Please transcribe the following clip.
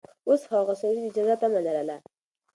اوس هغه سړي د جزا تمه لرله.